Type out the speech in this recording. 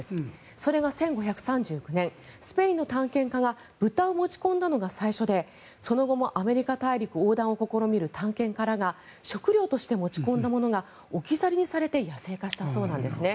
それが１５３９年スペインの探検家が豚を持ち込んだのが最初でその後もアメリカ大陸横断を試みる探検家らが食料として持ち込んだものが置き去りにされて野生化したそうなんです。